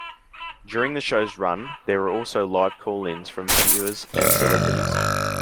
During the show's run there were also live call-ins from viewers and celebrities.